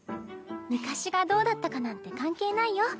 昔がどうだったかなんて関係ないよ。